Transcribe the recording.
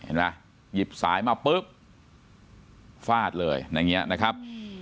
เห็นไหมหยิบสายมาปุ๊บฟาดเลยอย่างนี้นะครับ